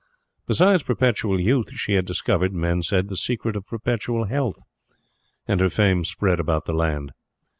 Besides perpetual youth, she had discovered, men said, the secret of perpetual health; and her fame spread about the land.